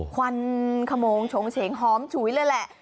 ควันขโมงโฉงเฉงหอมฉุยเลยแหละ